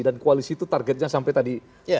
dan koalisi itu targetnya sampai tadi